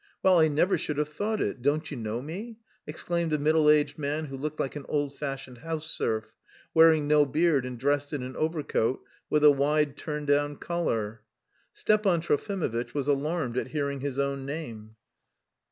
Well, I never should have thought it!... Don't you know me?" exclaimed a middle aged man who looked like an old fashioned house serf, wearing no beard and dressed in an overcoat with a wide turn down collar. Stepan Trofimovitch was alarmed at hearing his own name.